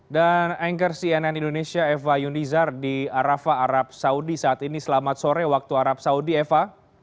dan anchor cnn indonesia eva yundizar di arafa arab saudi saat ini selamat sore waktu arab saudi eva